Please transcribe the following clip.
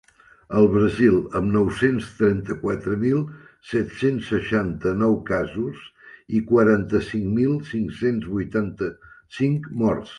El Brasil, amb nou-cents trenta-quatre mil set-cents seixanta-nou casos i quaranta-cinc mil cinc-cents vuitanta-cinc morts.